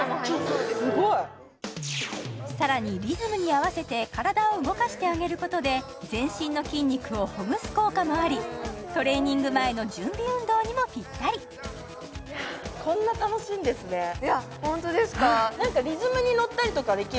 すごい！さらにリズムに合わせて体を動かしてあげることで全身の筋肉をほぐす効果もありトレーニング前の準備運動にもぴったりいやホントですか？